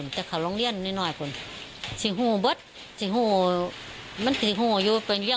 แม่พาลูกก็ไม่รู้สึกศร้ายซ้าย